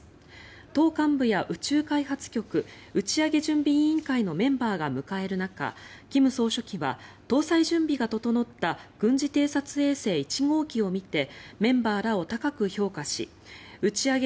党幹部や宇宙開発局打ち上げ準備委員会のメンバーが迎える中金総書記は搭載準備が整った軍事偵察衛星１号機を見てメンバーらを高く評価し打ち上げ